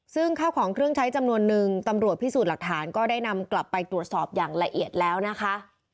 ซึ่งข้าวของเครื่องใช้จำนวนนึงตำรวจพิสูจน์หลักฐานก็ได้นำกลับไปตรวจสอบอย่างละเอียดแล้วนะคะ